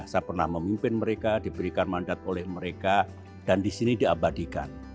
saya pernah memimpin mereka diberikan mandat oleh mereka dan di sini diabadikan